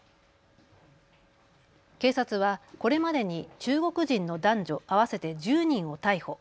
警察はこれまでに中国人の男女合わせて１０人を逮捕。